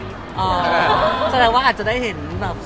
พี่เอ็มเค้าเป็นระบองโรงงานหรือเปลี่ยนไงครับ